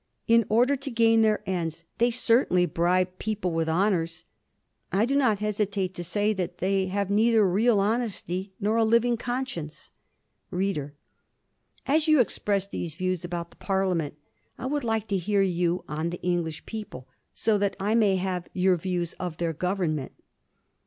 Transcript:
In order to gain their ends, they certainly bribe people with honours. I do not hesitate to say that they have neither real honesty nor a living conscience. READER: As you express these views about the Parliament, I would like to hear you on the English people, so that I may have your views of their Government.